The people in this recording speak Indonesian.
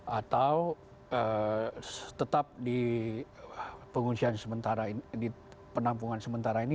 atau tetap di pengungsian sementara di penampungan sementara ini